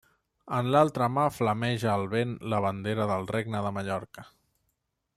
En l'altra mà flameja al vent la bandera del Regne de Mallorca.